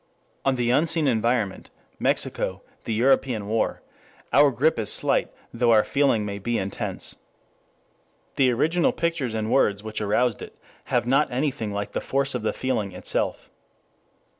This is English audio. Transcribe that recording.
On the unseen environment, Mexico, the European war, our grip is slight though our feeling may be intense. The original pictures and words which aroused it have not anything like the force of the feeling itself.